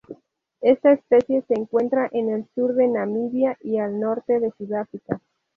Esta especie se encuentra en el sur de Namibia y el norte de Sudáfrica.